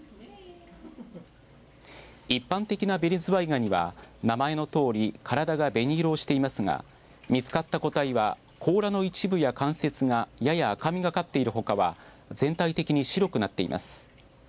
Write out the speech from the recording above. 一般的なベニズワイガニは名前のとおり体が紅色をしていますが見つかった固体は甲羅の一部や関節がやや赤みがかっているほかは全体的に白くなっています。